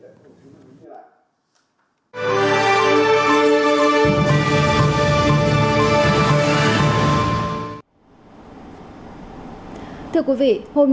thưa quý vị hôm nay chúng tôi sẽ giới thiệu với các quý vị về tổ chức phòng chống tội phạm